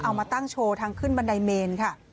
เอามาตั้งโชว์ทางขึ้นบันไดเมนค่ะ